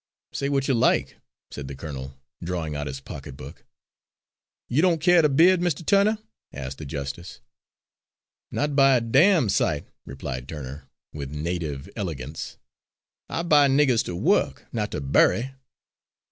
"Say what you like," said the colonel, drawing out his pocketbook. "You don't care to bid, Mr. Turner?" asked the justice. "Not by a damn sight," replied Turner, with native elegance. "I buy niggers to work, not to bury."